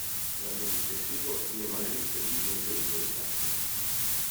L'anno successivo René Magritte dipinse il suo ritratto.